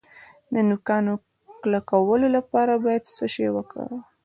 د نوکانو کلکولو لپاره باید څه شی وکاروم؟